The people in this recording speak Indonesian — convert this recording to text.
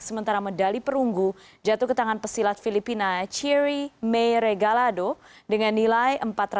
sementara medali perunggu jatuh ke tangan pesilat filipina chiri meregalado dengan nilai empat ratus empat puluh empat